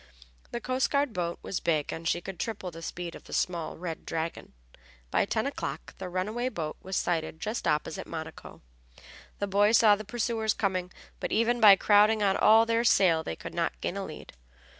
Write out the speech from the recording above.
The coast guard boat was big and she could triple the speed of the small Red Dragon. By ten o'clock the runaway boat was sighted just opposite Monaco. The boys saw the pursuers coming, but even by crowding on all their sail they could not gain a lead.